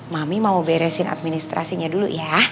mami mau beresin administrasinya dulu ya